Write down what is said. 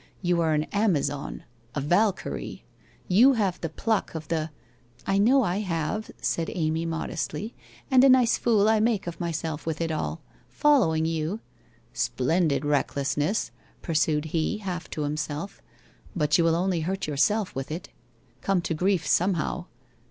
You are an Amazon, a Valkyrie, you have the pluck of the '' I know I have,' said Amy modestly. ' And a nice fool I make of myself with it all. Following you '' Splendid recklessness !' pursued he, half to himself, ' but you will only hurt yourself with it — come to grief, somehow